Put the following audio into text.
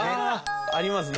ありますね。